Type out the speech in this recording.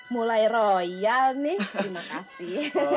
mulai royal nih terima kasih